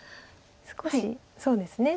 少しそうですね